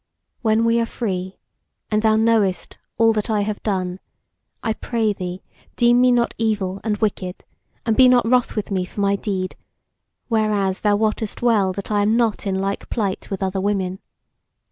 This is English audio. When we are free, and thou knowest all that I have done, I pray thee deem me not evil and wicked, and be not wroth with me for my deed; whereas thou wottest well that I am not in like plight with other women.